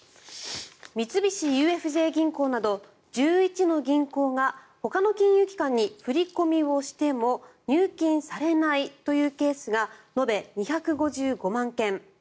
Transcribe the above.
三菱ＵＦＪ銀行など１１の銀行がほかの金融機関に振り込みをしても入金されないというケースが延べ２５５万件。